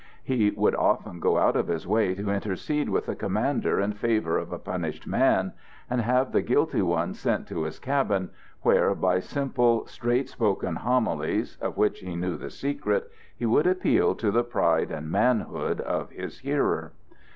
He would often go out of his way to intercede with the commander in favour of a punished man, and have the guilty one sent to his cabin, where, by simple straight spoken homilies, of which he knew the secret, he would appeal to the pride and manhood of his hearer.